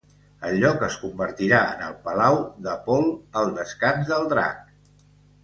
El lloc es convertirà en el palau de Pol, el Descans del Drac.